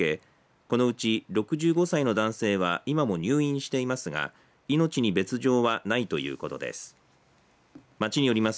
このうち６５歳の男性は今も入院していますが命に別状はないということです。